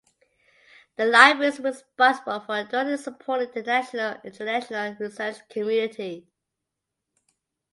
The library is responsible for directly supporting the national and international research community.